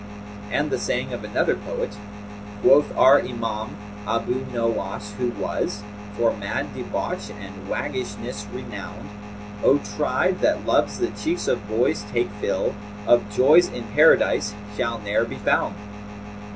And the saying of another poet, 'Quoth our Imam, Abu Nowas, who was * For mad debauch and waggishness renowned: 'O tribe that loves the cheeks of boys, take fill * Of joys in Paradise shall ne'er be found!'